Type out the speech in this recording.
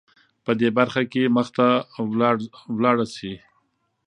په دې برخه کې مخته ولاړه شې .